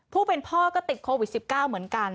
ผู้เป็นพ่อก็ติดโควิด๑๙เหมือนกัน